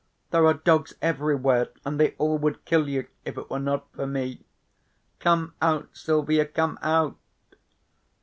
There are dogs everywhere and they all would kill you if it were not for me. Come out, Silvia, come out."